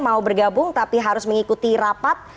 mau bergabung tapi harus mengikuti rapat